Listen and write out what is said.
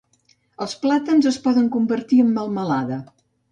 Els plàtans es poden convertir en melmelada.